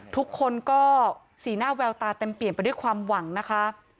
ทุกคนก็สีหน้าแววตาเต็มเปลี่ยนไปด้วยความหวังนะคะ